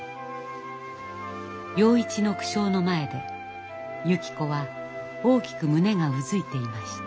洋一の苦笑の前でゆき子は大きく胸がうずいていました。